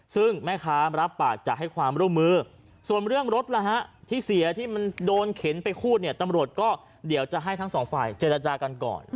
ซึ่งแม่ค้ารับปากจะให้ความร่วมมือส่วนเรื่องรถที่เสียที่มันโดนเข็นไปคู่เนี่ยตำรวจก็เดี๋ยวจะให้ทั้งสองฝ่ายเจรจากันก่อน